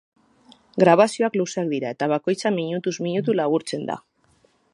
Grabazioak luzeak dira eta bakoitza minutuz minutu laburtzen da.